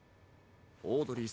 オードリー